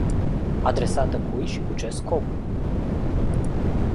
Adresată cui și cu ce scop?